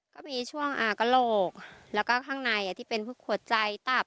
ก็มีช่วงอากรกแล้วก็ข้างในที่เป็นหัวใจตับ